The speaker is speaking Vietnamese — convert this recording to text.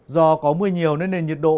do có mưa nhiều nên nền nhiệt độ